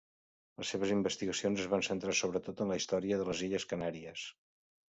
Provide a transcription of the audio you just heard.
Les seves investigacions es va centrar sobretot en la història de les illes Canàries.